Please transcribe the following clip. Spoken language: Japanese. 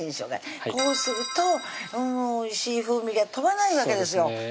こうするとおいしい風味が飛ばないわけですよ